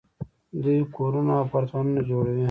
دوی کورونه او اپارتمانونه جوړوي.